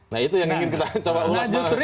nah itu yang ingin kita coba ulas